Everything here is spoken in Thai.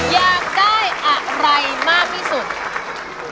อยากได้อะไรมากที่สุด